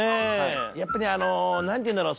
「やっぱりあのなんていうんだろう？」